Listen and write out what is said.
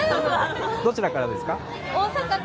どちらからですか？